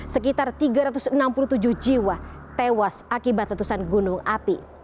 sekitar tiga ratus enam puluh tujuh jiwa tewas akibat letusan gunung api